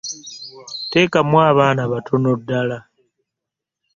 Teekamu abaana batono ddala.